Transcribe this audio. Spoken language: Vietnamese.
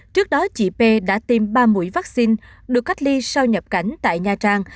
trước đó chị p đã tiêm ba mũi vaccine được cách ly sau nhập cảnh tại nha trang